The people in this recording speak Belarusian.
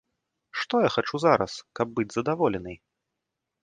Што я хачу зараз, каб быць задаволенай?